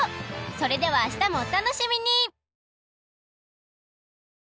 それではあしたもお楽しみに！